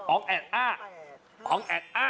อองแอด